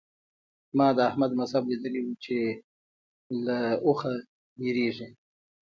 ما د احمد مذهب ليدلی وو چې له اوخه وېرېږي.